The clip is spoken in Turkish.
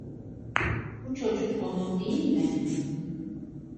Bu çocuk onun değil mi?